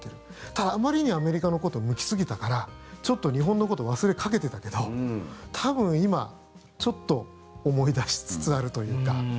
ただあまりにアメリカのことを向きすぎたから日本のことを忘れかけてたけど多分今、ちょっと思い出しつつあるというか。